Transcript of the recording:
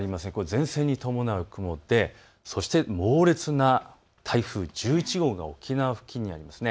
前線に伴う雲でそして猛烈な台風１１号が沖縄付近にあります。